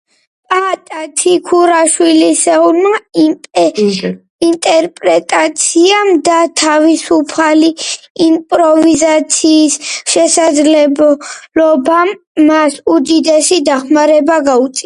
პაატა ციქურიშვილისეულმა ინტერპრეტაციამ და თავისუფალი იმპროვიზაციის შესაძლებლობამ მას უდიდესი დახმარება გაუწია.